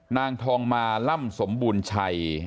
นางทองมาล่ำสมบูรณ์ชัย